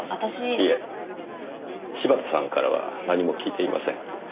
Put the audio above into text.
いえ柴田さんからは何も聞いていません。